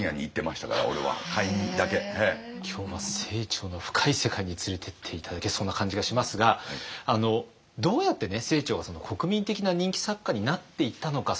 今日は清張の深い世界に連れてって頂けそうな感じがしますがどうやってね清張が国民的な人気作家になっていったのか。